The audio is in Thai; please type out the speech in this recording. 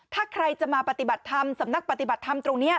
ถ้าใครจะมาปฏิบัติธรรมสำนักปฏิบัติธรรมตรงนี้